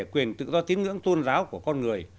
quyền tự do tín ngưỡng tôn giáo của con người